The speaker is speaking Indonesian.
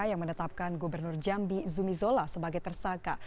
yang menetapkan gubernur jambi zumizola sebagai tersangka